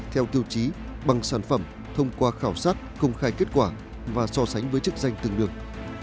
theo tiêu chí bằng sản phẩm thông qua khảo sát công khai kết quả và so sánh với chức danh từng được